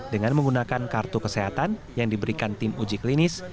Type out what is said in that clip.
dengan menggunakan kartu kesehatan yang diberikan tim uji klinis